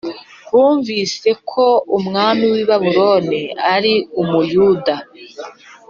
bumvise ko umwami w i Babuloni aari umuyuda